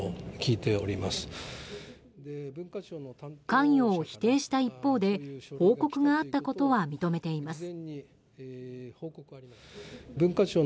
関与を否定した一方で報告があったことは認めています。